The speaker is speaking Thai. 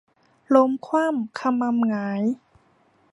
ล้มคว่ำคะมำหงาย